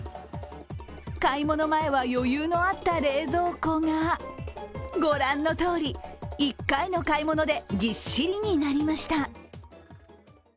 買い物前は余裕のあった冷蔵庫が御覧のとおり、１回の買い物でぎっしりになりました。